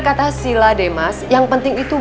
kata sila deh mas yang penting itu